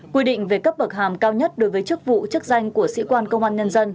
quy định về cấp bậc hàm cao nhất đối với chức vụ chức danh của sĩ quan công an nhân dân